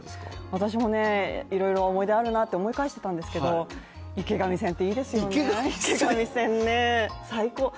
私もいろいろ思い出あるなと思い返していたんですけど、池上線っていいですよね、最高。